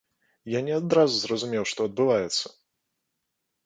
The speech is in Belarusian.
Я не адразу зразумеў, што адбываецца!